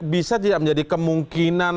bisa jadi kemungkinan